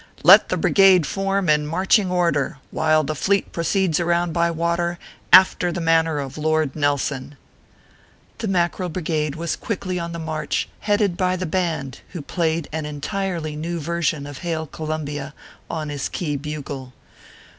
Let the Brigade form in marching order, while the fleet proceeds around by water, after the manner of Lord Nelson/ The Mackerel Brigade was quickly on the march, headed by the band, who played an entirely new ver sion of " Hail Columbia" on his key bugle.